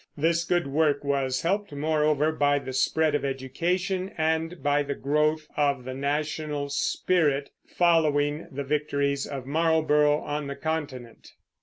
This good work was helped, moreover, by the spread of education and by the growth of the national spfrit, following the victories of Marlborough on the Continent.